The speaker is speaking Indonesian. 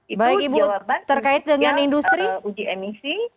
itu jawaban yang bisa kita uji emisi